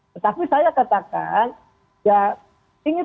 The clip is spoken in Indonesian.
tetapi saya katakan